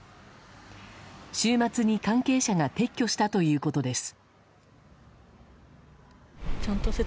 週末に関係者が撤去したということです。